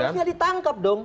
harusnya ditangkap dong